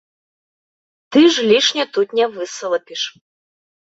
Ты ж лішне тут не высалапіш.